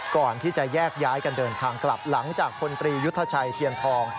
ก่อนที่จะแยกย้ายกันเดินทางกลับหลังจากพลตรียุทธชัยเทียนทอง